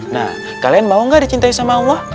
nah kalian mau gak dicintai sama allah